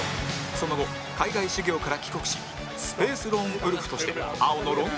その後海外修行から帰国しスペースローンウルフとして青のロングタイツに